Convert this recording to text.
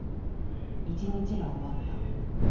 一日が終わった。